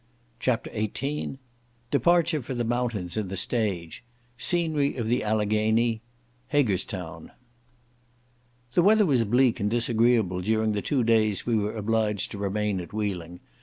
CHAPTER XVIII Departure for the mountains in the Stage—Scenery of the Alleghany—Haggerstown The weather was bleak and disagreeable during the two days we were obliged to remain at Wheeling.